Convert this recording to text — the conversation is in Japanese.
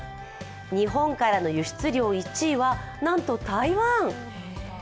日本からの輸出量１位はなんと台湾。